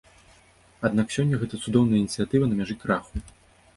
Аднак сёння гэта цудоўная ініцыятыва на мяжы краху.